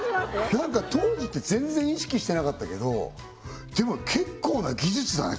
何か当時って全然意識してなかったけどでも結構な技術だね